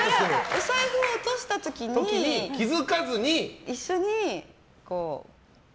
お財布を落とした時に一緒に。